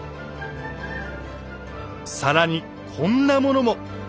更にこんなものも。